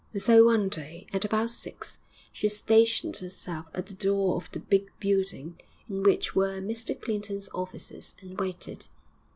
So one day, at about six, she stationed herself at the door of the big building in which were Mr Clinton's offices, and waited.